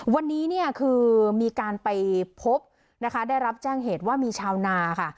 วันนี้เนี่ยคือมีการไปพบนะคะได้รับแจ้งเหตุว่ามีชาวนาค่ะ